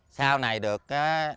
sau này được